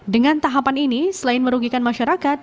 dengan tahapan ini selain merugikan masyarakat